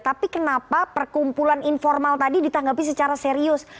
tapi kenapa perkumpulan informal tadi ditanggapi secara serius